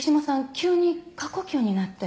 急に過呼吸になって。